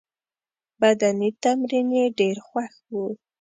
بدني تمرین یې ډېر خوښ وو.